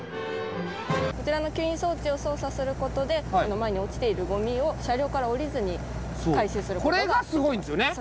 こちらの吸引装置を操作する事で前に落ちているゴミを車両から降りずに回収する事ができます。